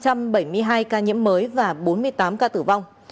tại mỹ đã có thêm năm mươi tám ca nhiễm mới và bốn mươi tám ca tử vong